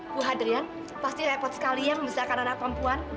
bu hadrian pasti repot sekali ya membesarkan anak perempuan